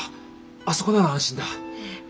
あそこなら安心だ。